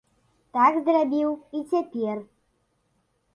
Так зрабіў і цяпер.